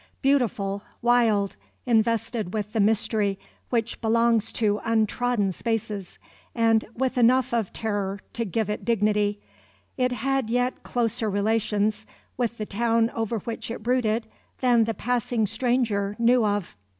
Beautiful, wild, invested with the mystery which belongs to untrodden spaces, and with enough of terror to give it dignity, it had yet closer relations with the town over which it brooded than the passing stranger knew of.